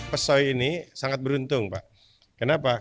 pesoi ini sangat beruntung pak kenapa